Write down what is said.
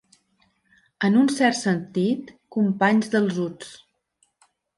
En un cert sentit, companys dels uts.